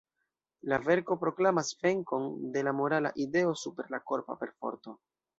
La verko proklamas venkon de la morala ideo super la korpa perforto.